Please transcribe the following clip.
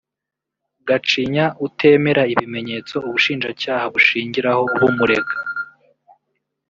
Gacinya utemera ibimenyetso ubushinjacyaha bushingiraho bumurega